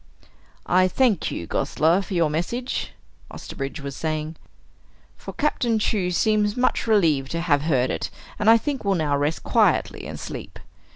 "I thank you, Gosler, for your message," Osterbridge was saying, "for Captain Chew seems much relieved to have heard it, and I think will now rest quietly and sleep.